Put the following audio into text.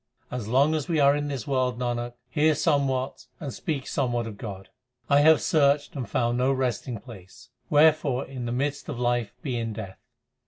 As long as we are in this world, Nanak, hear somewhat and speak somewhat of God. 1 have searched and found no resting place ; wherefore in the midst of life be in death.